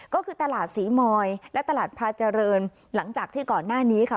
ก็คือตลาดศรีมอยและตลาดพาเจริญหลังจากที่ก่อนหน้านี้ค่ะ